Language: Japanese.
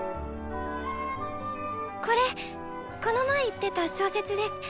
これこの前言ってた小説です。